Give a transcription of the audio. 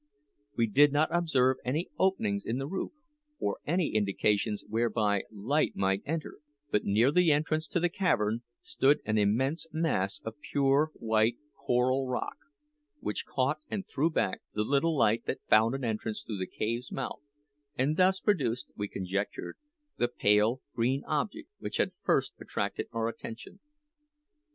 We did not observe any openings in the roof, or any indications of places whereby light might enter; but near the entrance to the cavern stood an immense mass of pure white coral rock, which caught and threw back the little light that found an entrance through the cave's mouth, and thus produced, we conjectured, the pale green object which had first attracted our attention.